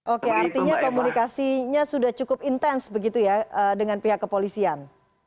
oke artinya komunikasinya sudah cukup intens begitu ya dengan pihak kepolisian